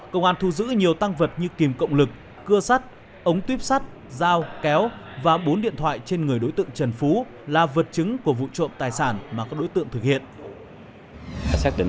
công an thu giữ nhiều tăng vật như kìm cộng lực cưa sắt ống tuyếp sắt dao kéo và bốn điện thoại trên người đối tượng trần phú là vật chứng của vụ trộm tài sản mà các đối tượng thực hiện